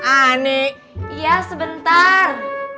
ani iya sebentar